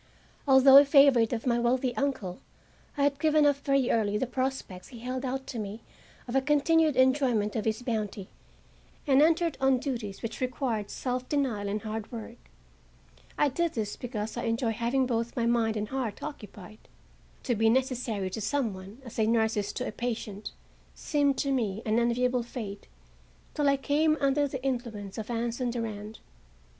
Although a favorite of my wealthy uncle, I had given up very early the prospects he held out to me of a continued enjoyment of his bounty, and entered on duties which required self denial and hard work. I did this because I enjoy having both my mind and heart occupied. To be necessary to some one, as a nurse is to a patient, seemed to me an enviable fate till I came under the influence of Anson Durand.